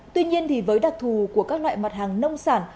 tuy nhiên với đặc thù của các loại mặt hàng nông sản